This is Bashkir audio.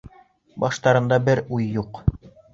Баштарында бер уй юҡ!